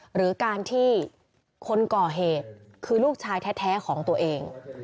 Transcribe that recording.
หรือการที่คนก่อเหตุคือลูกชายแท้ของตัวเอง